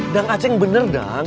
dang aceh yang bener dang